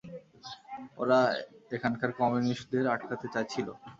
ওরা এখানকার কমিউনিস্টদের আটকাতে চাইছিল।